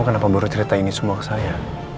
kamu kenapa baru ceritain ini semua ke saya